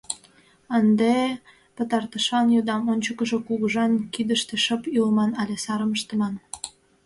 Ынде пытартышлан йодам: ончыкыжо кугыжан кидыште шып илыман але сарым ыштыман?